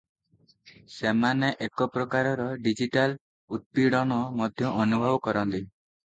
ସେମାନେ ଏକ ପ୍ରକାରର “ଡିଜିଟାଲ ଉତ୍ପୀଡ଼ନ” ମଧ୍ୟ ଅନୁଭବ କରନ୍ତି ।